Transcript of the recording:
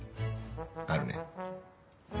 あるね。